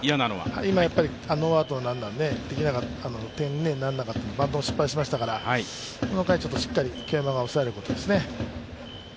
今やっぱりノーアウトのランナーで点が入らず、バントも失敗しましたから、この回しっかり京山が抑えることですね。